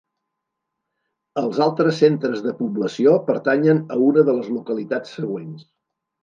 Els altres centres de població pertanyen a una de les localitats següents.